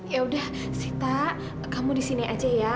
yaudah sita kamu di sini aja ya